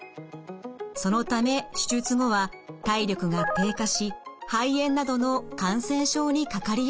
そのため手術後は体力が低下し肺炎などの感染症にかかりやすくなります。